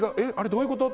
どういうこと？